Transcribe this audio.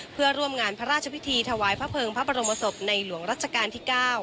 เพื่อร่วมงานพระราชพิธีถวายพระเภิงพระบรมศพในหลวงรัชกาลที่๙